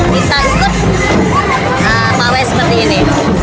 kita ikut pawai seperti ini